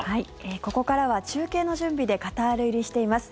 ここからは、中継の準備でカタール入りしています